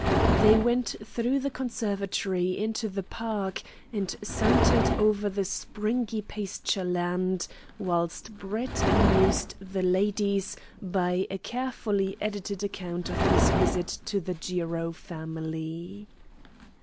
They went through the conservatory into the park, and sauntered over the springy pastureland, whilst Brett amused the ladies by a carefully edited account of his visit to the Jiro family.